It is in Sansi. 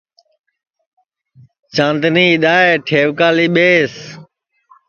چاندنی اِدؔائے ٹھئوکا لی ٻیس